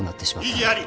異議あり！